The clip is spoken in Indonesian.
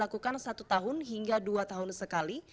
lakukan satu tahun hingga dua tahun sekali